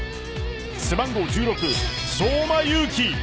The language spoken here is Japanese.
背番号１６・相馬勇紀